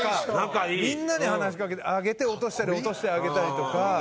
みんなに話しかけて上げて落としたり落として上げたりとか。